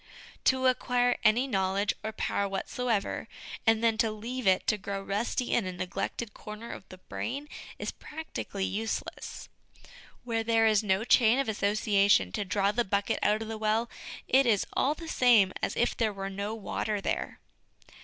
To acquire any knowledge or power whatsoever, and then to leave it to grow rusty in a neglected corner of the brain, is practically useless. Where there is no chain of association to draw the bucket out of the well, it is all the same as if there were no water there.